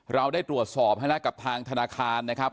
เราได้ตรวจสอบให้แล้วกับทางธนาคารนะครับ